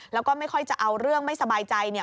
แล้วก็ไม่ค่อยจะเอาเรื่องไม่สบายใจเนี่ย